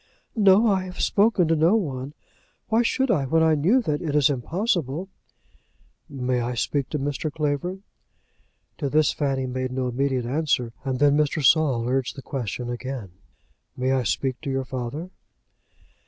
"No; I have spoken to no one. Why should I, when I knew that it is impossible?" "May I speak to Mr. Clavering?" To this Fanny made no immediate answer, and then Mr. Saul urged the question again. "May I speak to your father?"